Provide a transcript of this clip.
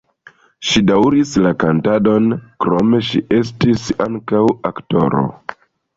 Ŝi daŭris la kantadon, krome ŝi estis ankaŭ aktoro.